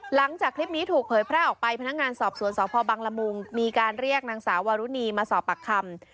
หลังจากคลิปนี้ถูกเผยแพร่ออกไปพนักงานสอบสวนสพบังละมุงมีการเรียกนางสาววารุณีมาสอบปากคำ